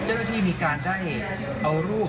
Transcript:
้าริติมีการได้เอารูป